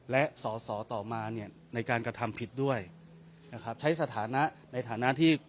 และสอสอต่อมาเนี่ยในการกระทำผิดด้วยนะครับใช้สถานะในฐานะที่